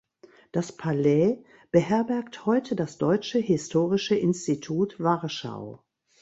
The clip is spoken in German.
Das Palais beherbergt heute das Deutsche Historische Institut Warschau.